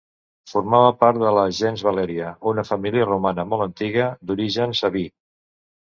Formava part de la gens Valèria, una família romana molt antiga, d'origen sabí.